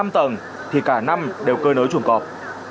năm tầng thì cả năm đều cơi nới chuồng cọp